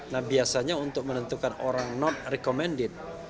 nah biasanya untuk menentukan orang not recommended